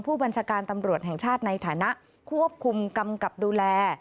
ผู้บัญชาการตำรวจแห่งชาติในฐานะควบคุมกำกับดูแล